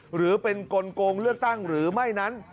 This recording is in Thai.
หรือเป็นกลงเลือกตั้งหรือไม่นั้น